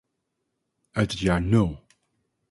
Uit het jaar nul.